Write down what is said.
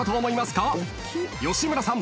［吉村さん